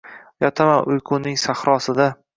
Yotaman uyquning sahrosida